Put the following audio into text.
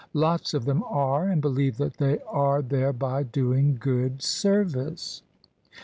Lots of them are, and believe that they are thereby doing God service."